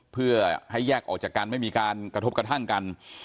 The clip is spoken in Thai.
เพื่อให้แยกออกจากกันไม่มีการกระทบกระทั่งกัน